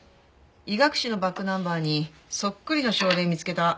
医学誌のバックナンバーにそっくりの症例見つけた。